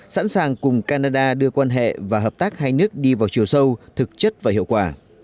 sẵn sàng cùng canada đưa quan hệ và hợp tác hai nước đi vào chiều sâu thực chất và hiệu quả